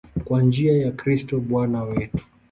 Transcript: Kwa njia ya Kristo Bwana wetu.